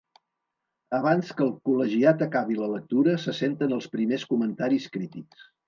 Abans que el col·legiat acabi la lectura se senten els primers comentaris crítics.